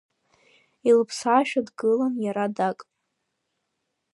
Илыԥсаашәа дгылан иара дак.